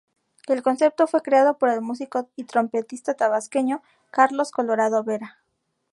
El concepto fue creado por el músico y trompetista tabasqueño Carlos Colorado Vera.